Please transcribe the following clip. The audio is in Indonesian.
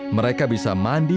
mereka bisa mandi